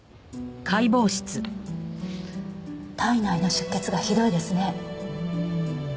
体内の出血がひどいですね。